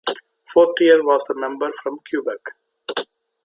Fortier was the member from Quebec.